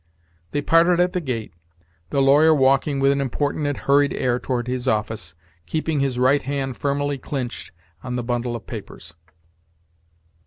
They parted at the gate, the lawyer walking with an important and hurried air toward his office, keeping his right hand firmly clinched on the bundle of papers.